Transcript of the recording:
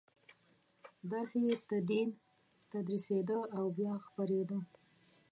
داسې تدین تدریسېده او بیا خپرېده.